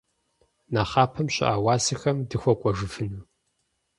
Нэхъапэм щыӏа уасэхэм дыхуэкӏуэжыфыну?